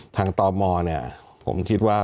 ทางตอนมอผมคิดว่า